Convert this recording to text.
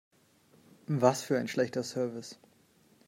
Was für ein schlechter Service!